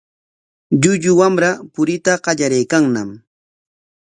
Llullu wamra puriyta qallariykanñam.